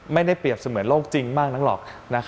ไม่ได้เปรียบเสมือนโลกจริงมากนักหรอก